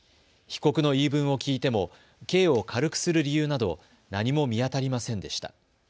被告の言い分を聞いても刑を軽くする理由など何も見当たりませんでした。